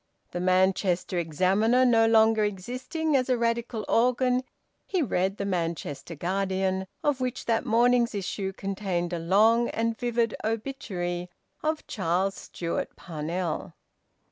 The "Manchester Examiner" no longer existing as a Radical organ, he read the "Manchester Guardian," of which that morning's issue contained a long and vivid obituary of Charles Stewart Parnell.